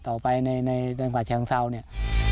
ต่อไปในปัจจุแห่งเศร้าเนี่ย